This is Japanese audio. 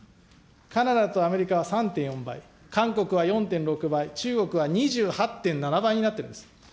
カナダとアメリカは３．４倍、韓国は４．６倍、中国は２８．７倍になってるんです。